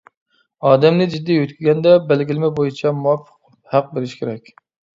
ئادەمنى جىددىي يۆتكىگەندە بەلگىلىمە بويىچە مۇۋاپىق ھەق بېرىش كېرەك.